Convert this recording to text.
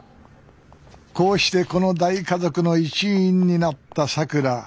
こうしてこの大家族の一員になったさくら。